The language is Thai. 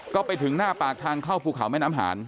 ก็ไปถึงหน้าปากทางเข้าภูเขาแม่น้ำหาร